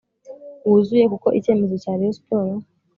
wuzuye kuko icyemezo cya rayon sports